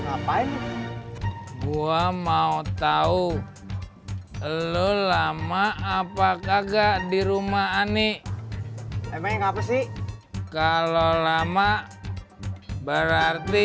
ngapain gua mau tahu lu lama apa kagak di rumah ani emang apa sih kalau lama berarti